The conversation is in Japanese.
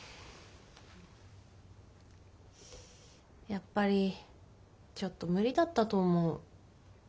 やっぱりちょっと無理だったと思う。